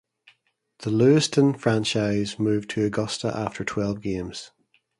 The Lewiston franchise moved to Augusta after twelve games.